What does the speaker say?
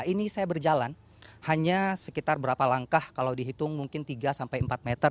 ini saya berjalan hanya sekitar berapa langkah kalau dihitung mungkin tiga sampai empat meter